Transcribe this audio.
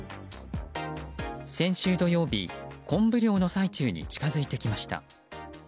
先週土曜日、コンブ漁の最中に近づいてきました。